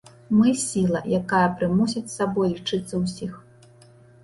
Мы сіла, якая прымусіць з сабой лічыцца ўсіх.